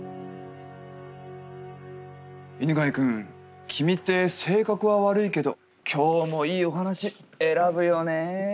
犬飼くん君って性格は悪いけど今日もいいお話選ぶよね。